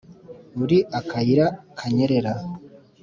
uri akayira kanyerera